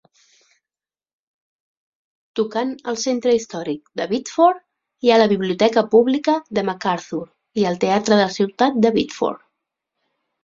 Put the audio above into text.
Tocant al centre històric de Biddeford hi ha la Biblioteca Pública de McArthur i el Teatre de la Ciutat de Biddeford.